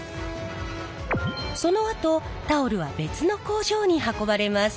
そのあとタオルは別の工場に運ばれます。